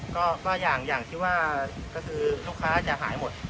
ก็ว่าอย่างที่ว่าก็คือลูกค้าจะหายหมด